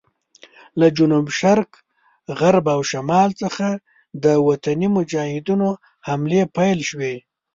له جنوب شرق، غرب او شمال څخه د وطني مجاهدینو حملې پیل شوې.